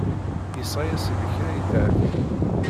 Yesɣa-as-d kra i Dahbiya.